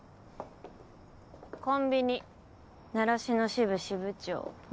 コンビニ習志野支部支部長丸メガネ。